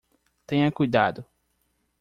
Tenha cuidado